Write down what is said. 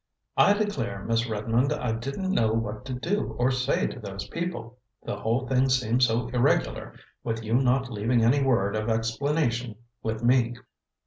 "I declare, Miss Redmond, I didn't know what to do or say to those people. The whole thing seemed so irregular, with you not leaving any word of explanation with me."